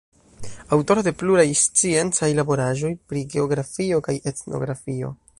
Aŭtoro de pluraj sciencaj laboraĵoj pri geografio kaj etnografio.